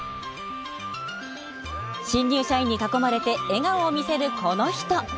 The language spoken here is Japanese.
新入社員に囲まれて笑顔を見せるこの人。